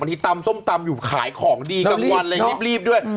ที่ตำส้มตำอยู่ขายของดีกลางวันเลยรีบด้วย